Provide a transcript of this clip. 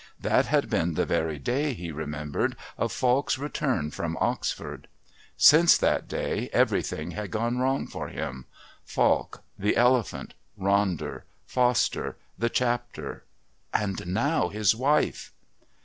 That had been the very day, he remembered, of Falk's return from Oxford. Since that day everything had gone wrong for him Falk, the Elephant, Ronder, Foster, the Chapter. And now his wife!